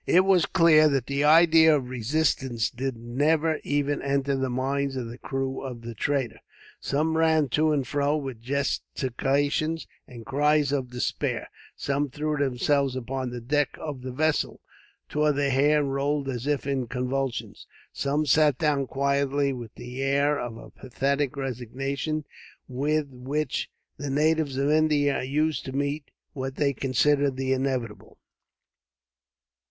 It was clear that the idea of resistance did never even enter the minds of the crew of the trader. Some ran to and fro, with gesticulations and cries of despair. Some threw themselves upon the deck of the vessel, tore their hair, and rolled as if in convulsions. Some sat down quietly, with the air of apathetic resignation, with which the natives of India are used to meet what they consider the inevitable.